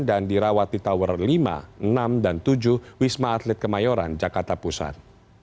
dan dirawat di tower lima enam dan tujuh wisma atlet kemayoran jakarta pusan